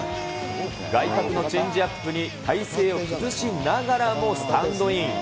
外角のチェンジアップに体勢を崩しながらもスタンドイン。